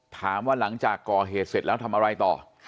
หลังจากก่อเหตุเสร็จแล้วทำอะไรต่อ